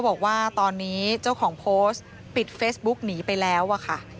บอกว่าตอนนี้เจ้าของโพสต์ปิดเฟซบุ๊กหนีไปแล้วอะค่ะ